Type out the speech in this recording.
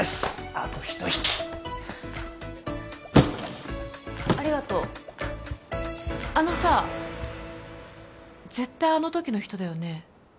あと一息ありがとうあのさ絶対あの時の人だよね？